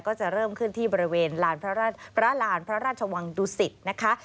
ก็จะเริ่มขึ้นที่บริเวณลานพระราชวังดุศิษฐ์นะคะ